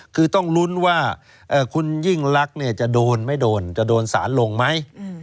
คือต้องลุ้นว่าคุณยิ่งลักษณ์จะโดนไม่โดนจะโดนสารลงไหม